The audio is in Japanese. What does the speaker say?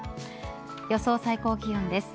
予想最高気温です。